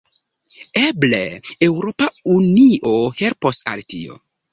Eble Eŭropa Unio helpos al tio.